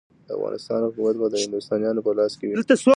د افغانستان حکومت به د هندوستانیانو په لاس کې وي.